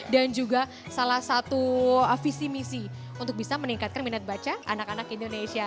dan juga salah satu visi misi untuk bisa meningkatkan minat baca anak anak indonesia